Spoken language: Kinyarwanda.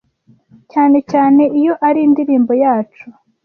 cyane cyane iyo ari indirimbo yacu